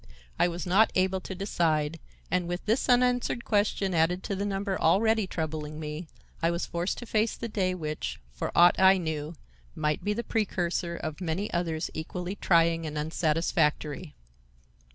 I was not able to decide, and, with this unanswered question added to the number already troubling me, I was forced to face the day which, for aught I knew, might be the precursor of many others equally trying and unsatisfactory.